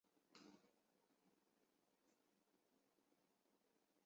华南师范大学计算机应用专业本科毕业。